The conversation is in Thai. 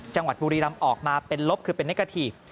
จังหวัดบุรีรัมป์ออกมาเป็นลบคือเป็นเน็กกระที